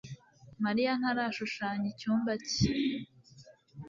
Mariya ntarashushanya icyumba cye